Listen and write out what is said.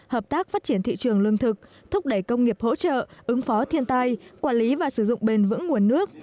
hợp tác phát triển thị trường lương thực thúc đẩy công nghiệp hỗ trợ ứng phó thiên tai quản lý và sử dụng bền vững nguồn nước